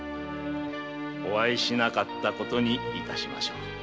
お会いしなかった事にいたしましょう